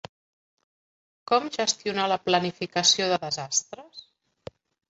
Com gestionar la planificació de desastres?